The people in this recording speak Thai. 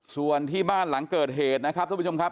ส่วนที่บ้านหลังเกิดเหตุนะครับท่านผู้ชมครับ